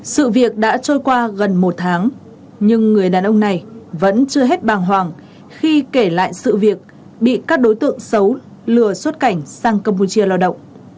sự việc đã trôi qua gần một tháng nhưng người đàn ông này vẫn chưa hết bàng hoàng khi kể lại sự việc bị các đối tượng xấu lừa xuất cảnh sang campuchia lao động